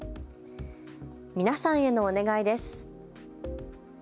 皆さんへのお願いです。